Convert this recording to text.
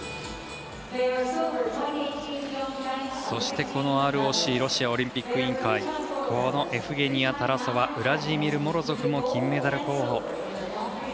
そして、ＲＯＣ＝ロシアオリンピック委員会エフゲニア・タラソワウラジーミル・モロゾフも金メダル候補。